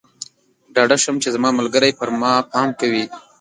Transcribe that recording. ډاډه شم چې زما ملګری پر ما پام کوي.